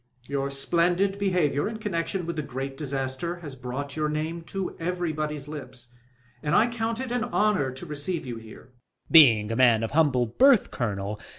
Your splendid behaviour in connection with that great dis aster has brought your name to everybody's lips, and I count it an honour to receive you here Student. Being a man of humble birth, Colonel.